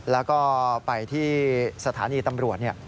แล้วก็ไปที่สถานีตำรวจ